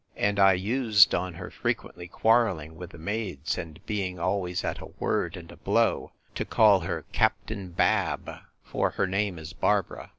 And I used, on her frequently quarrelling with the maids, and being always at a word and a blow, to call her Captain Bab; for her name is Barbara.